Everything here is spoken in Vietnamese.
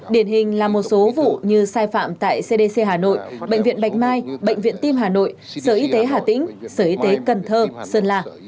điển hình là một số vụ như sai phạm tại cdc hà nội bệnh viện bạch mai bệnh viện tim hà nội sở y tế hà tĩnh sở y tế cần thơ sơn la